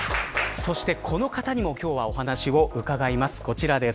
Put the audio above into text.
そして、この方にも今日はお話を伺います。